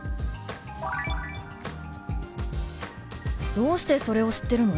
「どうしてそれを知ってるの？」。